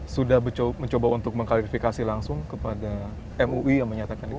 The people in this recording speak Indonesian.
sudah mencoba untuk mengklarifikasi langsung kepada mui yang menyatakan itu